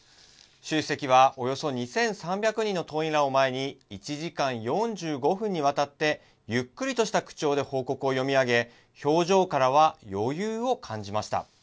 習主席はおよそ２３００人の党員らを前に、１時間４５分にわたって、ゆっくりとした口調で報告を読み上げ、表情からは余裕を感じました。